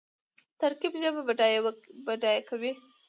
ترکیب ژبه بډایه کوي.